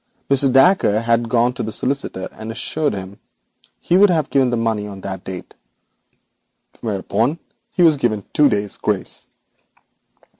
Mr. Dacre had gone to the solicitor and assured him he would pay the money on that date, whereupon he was given two days' grace.'